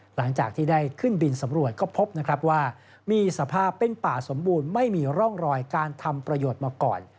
หลังจากที่ได้ขึ้นบินสำรวจก็พบนะครับว่ามีสภาพเป็นป่าสมบูรณ์ไม่มีร่องรอยการทำประโยชน์มาก่อน